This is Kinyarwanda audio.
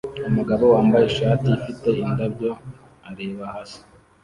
Umugabo wambaye ishati ifite indabyo areba hasi